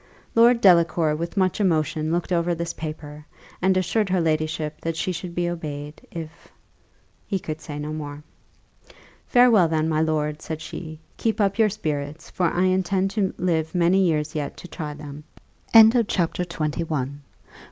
Lord Delacour with much emotion looked over this paper, and assured her ladyship that she should be obeyed, if he could say no more. "Farewell, then, my lord!" said she: "keep up your spirits, for I intend to live many years yet to try them." CHAPTER XXII. A SPECTRE.